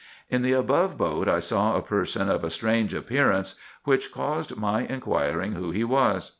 In the above boat I saw a person of a strange appearance, which caused my inquiring who he was.